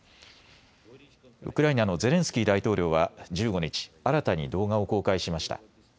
ウクライナのゼレンスキー大統領は１５日、新たに動画を公開しました。